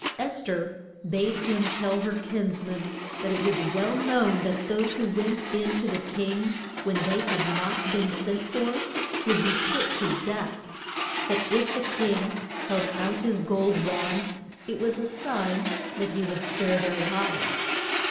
Es ther bade him tell her kins man that it was well known that those who went in to the king when they had not been sent for, would be put to death. But if the king held out his gold wand it was a sign that he would spare their lives.